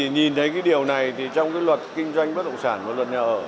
nhìn thấy điều này trong luật kinh doanh bất động sản luật nhà ở